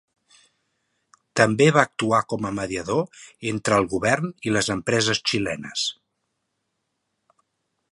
També va actuar com a mediador entre el govern i les empreses xilenes.